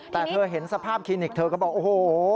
แต่เธอเห็นสภาพคลินิกเธอก็บอกโอ้โห